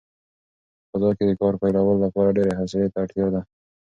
په بازار کې د کار پیلولو لپاره ډېرې حوصلې ته اړتیا ده.